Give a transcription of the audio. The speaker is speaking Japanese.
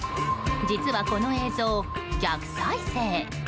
実はこの映像、逆再生！